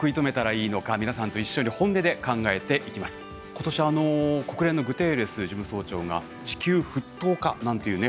今年国連のグテーレス事務総長が「地球沸騰化」なんていうね